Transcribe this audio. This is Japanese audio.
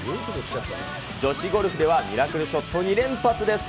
女子ゴルフでは、ミラクルショット２連発です。